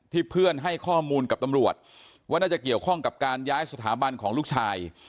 เพื่อนให้ข้อมูลกับตำรวจว่าน่าจะเกี่ยวข้องกับการย้ายสถาบันของลูกชาย